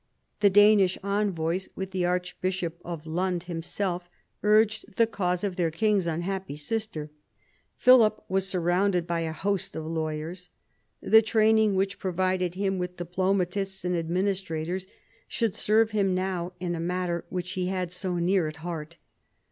The Danish envoys, with the archbishop of Lund himself, urged the cause of their king's unhappy sister. Philip was surrounded by a host of lawyers. The training which provided him with diplomatists and administrators should serve him now in a matter which he had so near at heart.